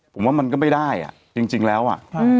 ผมว่ามันก็ไม่ได้อ่ะจริงแล้วอ่ะ